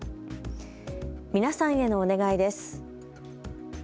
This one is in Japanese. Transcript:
皆さんへのお願いです。